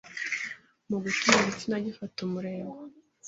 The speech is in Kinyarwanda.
mu gutuma igitsina gifata umurego